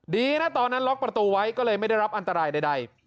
ดีนะตอนนั้นล็อกประตูไว้ก็เลยไม่ได้รับอันตรายใด